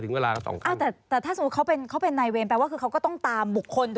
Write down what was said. แต่ท่าสมมุติเขาเป็นนายเวงแปลว่าเขาก็ต้องตามบุคคล